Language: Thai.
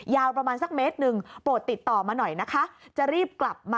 ยาวประมาณสักเมตรหนึ่งโปรดติดต่อมาหน่อยนะคะ